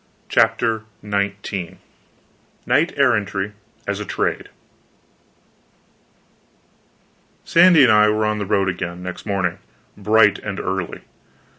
CHAPTER XIX KNIGHT ERRANTRY AS A TRADE Sandy and I were on the road again, next morning, bright and early.